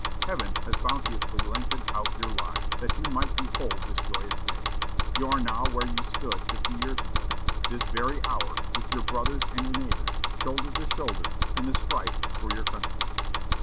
Heaven has bounteously lengthened out your lives that you might behold this joyous day. You are now where you stood fifty years ago, this very hour, with your brothers and your neighbors, shoulder to shoulder, in the strife for your country.